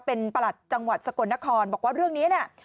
เป็นประหลัดจังหวัดสกลนครบอกว่าเรื่องนี้เนี่ย